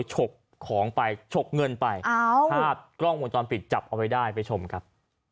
ฉกของไปฉกเงินไปภาพกล้องวงจรปิดจับเอาไว้ได้ไปชมครับ